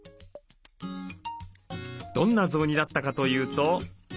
どんな雑煮だったかというと。